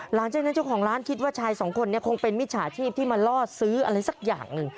หลังจากนั้นเจ้าของร้านคิดว่าชายสองคนนี้คงเป็นมิจฉาชีพที่มาล่อซื้ออะไรสักอย่างหนึ่ง